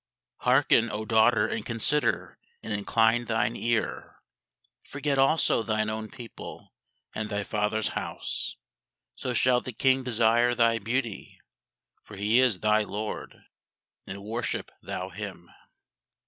Hearken, O daughter, and consider, and incline thine ear; Forget also thine own people, and thy father's house; So shall the KING desire thy beauty: For He is thy LORD; and worship thou Him.